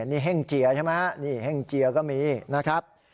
นี่แห้งเจียใช่ไหมฮะนี่แห้งเจียก็มีนะครับ